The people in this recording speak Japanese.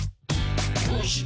「どうして？